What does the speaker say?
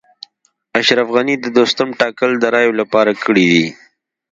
اشرف غني د دوستم ټاکل د رایو لپاره کړي دي